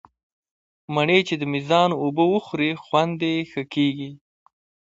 مڼې چې د مېزان اوبه وخوري، خوند یې ښه کېږي.